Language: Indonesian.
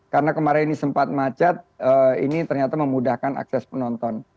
karena kemarin ini sempat macet ini ternyata memudahkan akses penonton